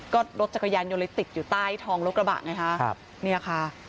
ก็รถจักรยานยนต์เลยติดอยู่ใต้ทองรถกระบะไงฮะครับเนี่ยค่ะ